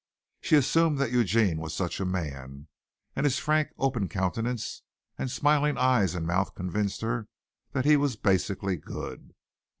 She assumed that Eugene was such a man, and his frank open countenance and smiling eyes and mouth convinced her that he was basically good.